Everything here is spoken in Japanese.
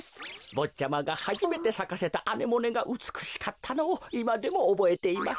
ぼっちゃまがはじめてさかせたアネモネがうつくしかったのをいまでもおぼえています。